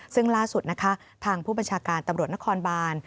ซึ่งล่าสุดนะคะทางผู้บัญชาการตำรวจนครบาน